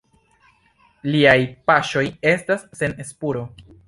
Liaj paŝoj estas sen spuro.